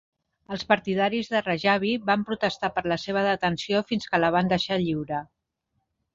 Els partidaris de Rajavi van protestar per la seva detenció fins que la van deixar lliure.